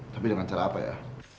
tapi dengan cara apa ya